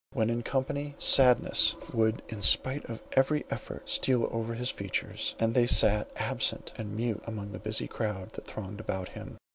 When in company, sadness would in spite of every effort steal over his features, and he sat absent and mute among the busy crowd that thronged about him.